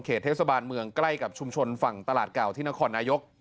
เทศบาลเมืองใกล้กับชุมชนฝั่งตลาดเก่าที่นครนายก